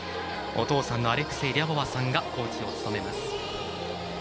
お父さんのアレクサ・リャボワさんがコーチを務めます。